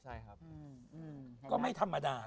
ก็ไม่ธรรมดา